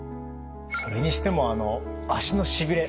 それにしても足のしびれ